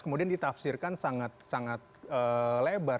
kemudian ditafsirkan sangat lebar